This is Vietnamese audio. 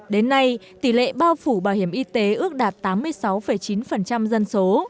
đến nay tỷ lệ bao phủ bảo hiểm y tế ước đạt tám mươi sáu chín dân số